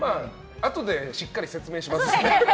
あとでしっかり説明しますので。